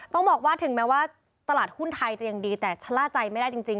ต้องบอกว่าถึงแม้ว่าตลาดหุ้นไทยจะยังดีแต่ชะล่าใจไม่ได้จริง